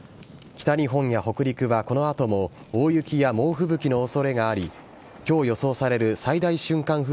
北日本や北陸はこのあとも大雪や猛吹雪のおそれがあり、きょう予想される最大瞬間